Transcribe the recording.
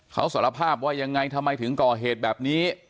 เขาสารภาพว่ายังไงทำไมถึงก่อเหตุแบบนี้